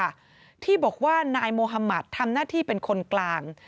ที่บอกว่านายโมฮามัติทำหน้าที่เป็นคนกลาง